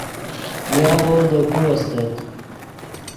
یاغو دے کو استت